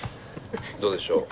どうでしょう？